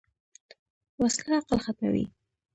وسله عقل ختموي